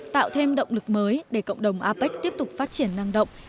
tạo thêm động lực mới để cộng đồng apec tiếp tục phát triển năng động